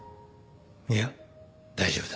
いや大丈夫だ。